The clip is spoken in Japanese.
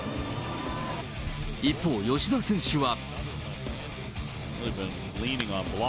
一方、吉田選手は。